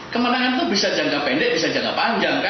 kemenangan itu bisa jangka pendek bisa jangka panjang